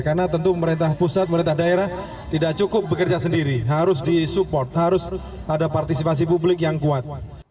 karena tentu merintah pusat merintah daerah tidak cukup bekerja sendiri harus disupport harus ada partisipasi publik yang kuat